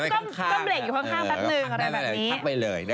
ก็เบรกอยู่ข้างแป๊บนึงอะไรแบบนี้